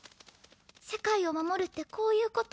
世界を守るってこういうこと？